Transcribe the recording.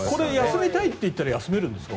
休みたいと言ったら休めるんですか？